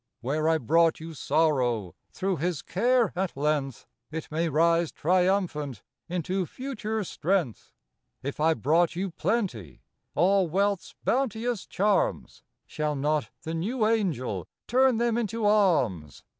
Where I brought you Sorrow, Through his care, at length, It may rise triumphant Into future Strength. If I brought you Plenty, All wealth's bounteous charms, Shall not the New Angel Turn them into Alms